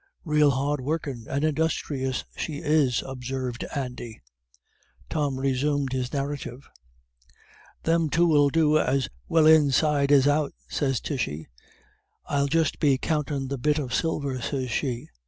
"Rael hard workin' and industhrious she is," observed Andy. Tom resumed his narrative: "'Them two'll do as well inside as out,' sez Tishy. 'I'll just be countin' the bit of silver,' sez she.